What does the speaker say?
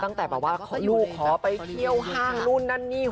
ตั้งแต่ว่าลูกขอไปเที่ยวห้างรุ่นนั่นนี้